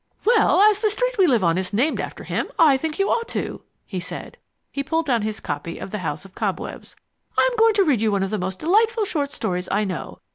"Well, as the street we live on is named after him, I think you ought to," he said. He pulled down his copy of The House of Cobwebs. "I'm going to read you one of the most delightful short stories I know.